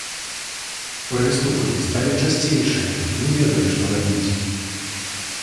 Прыступы сталі часцейшыя, не ведаю, што рабіць!